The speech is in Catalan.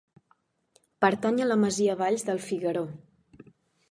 Pertany a la masia Valls del Figaró.